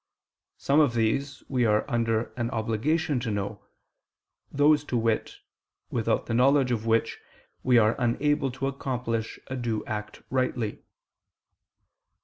Some of these we are under an obligation to know, those, to wit, without the knowledge of which we are unable to accomplish a due act rightly.